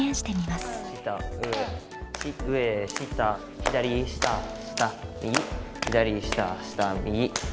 左下下右左下下右。